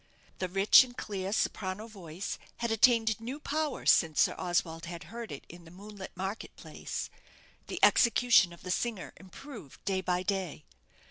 The rich and clear soprano voice had attained new power since Sir Oswald had heard it in the moonlit market place; the execution of the singer improved day by day.